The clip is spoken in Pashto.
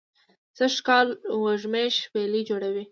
سږ کال وږمې شپیلۍ جوړوی